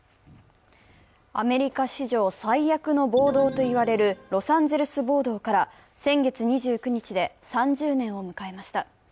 アメリカ史上最悪の暴動といわれるロサンゼルス暴動から先月２９日で３０年を迎えました。